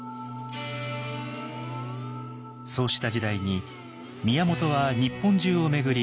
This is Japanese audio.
そうした時代に宮本は日本中を巡り